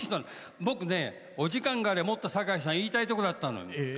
僕、お時間があればもっと言いたいとこだったのよ。